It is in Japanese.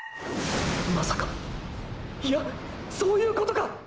まさかいやそういうことか！！